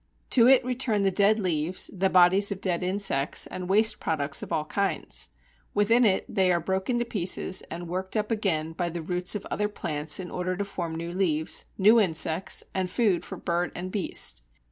To it return the dead leaves, the bodies of dead insects, and waste products of all kinds. Within it, they are broken to pieces and worked up again by the roots of other plants in order to form new leaves, new insects, and food for bird and beast.